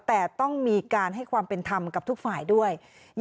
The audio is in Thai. แต่ต้องมีการให้ความเป็นธรรมกับทุกฝ่ายด้วย